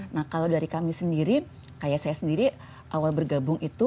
nah kalau dari kami sendiri kayak saya sendiri awal bergabung itu